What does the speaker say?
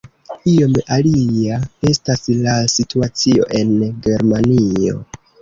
Iom alia estas la situacio en Germanio.